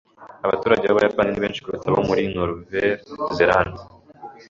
Abaturage b'Ubuyapani ni benshi kuruta abo muri Nouvelle-Zélande.